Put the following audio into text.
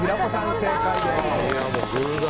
正解です。